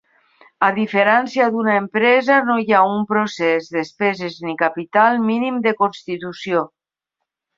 A diferència d'una empresa, no hi ha un procés, despeses ni capital mínim de constitució.